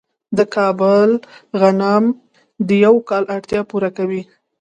د کابل غنم د یو کال اړتیا پوره کوي.